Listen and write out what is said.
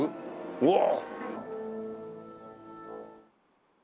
うわっ。